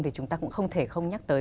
thì chúng ta cũng không thể không nhắc tới